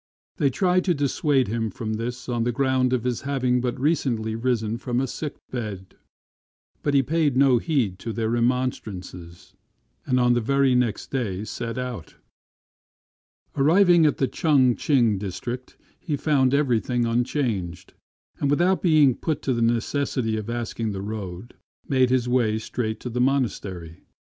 They tried to dissuade him from this on the ground of his having but recently risen from a sick bed ; but he paid no heed to their remonstrances, and on the very next day set out Arriving in the Ch'ang ch'ing district, he found everything unchanged ; and without being put to the necessity of asking the road, made his way straight to the monastery.